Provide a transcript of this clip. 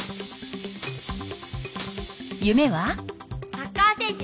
「サッカー選手」！